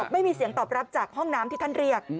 ไม่มีเสียงตอบรับจากห้องน้ำที่ท่านเรียก